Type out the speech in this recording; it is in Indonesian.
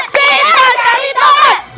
kita cari tauper